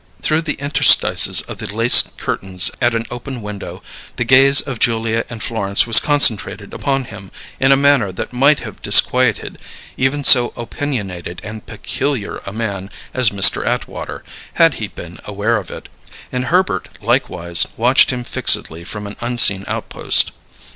Through the interstices of the lace curtains at an open window, the gaze of Julia and Florence was concentrated upon him in a manner that might have disquieted even so opinionated and peculiar a man as Mr. Atwater, had he been aware of it; and Herbert likewise watched him fixedly from an unseen outpost.